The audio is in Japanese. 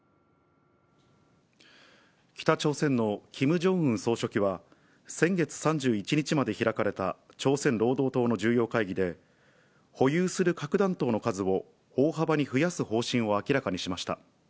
北朝鮮のキム・ジョンウン総書記は、先月３１日まで開かれた朝鮮労働党の重要会議で、保有する核弾頭の数を大幅に増やす方針を明らかにしました。